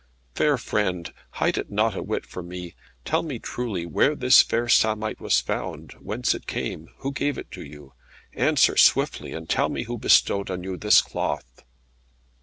"Fair friend, hide it not a whit from me. Tell me truly where this fair samite was found; whence came it; who gave it to you? Answer swiftly, and tell me who bestowed on you this cloth?"